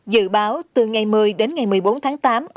dự báo từ ngày một mươi đến ngày một mươi bốn tháng tám ở bắc